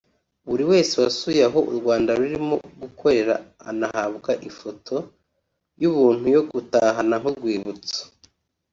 Buri wese wasuye aho u Rwanda rurimo gukorera anahabwa ifoto y’ubuntu yo gutahana nk’urwibutso